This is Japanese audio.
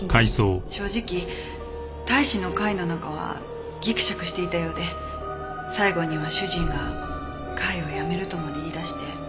正直隊士の会の中はギクシャクしていたようで最後には主人が会を辞めるとまで言い出して。